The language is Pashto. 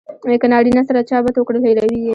که نارینه سره چا بد وکړل هیروي یې.